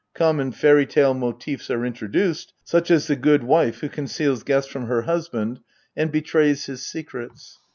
Common fairy tale motives are introduced, such as the good wife who conceals guests from her husband and betrays his secrets.